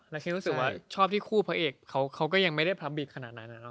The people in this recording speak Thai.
และแค่รู้สึกว่าชอบที่คู่พระเอกเขาก็ยังไม่ได้พรัมบิดขนาดนั้นนะครับ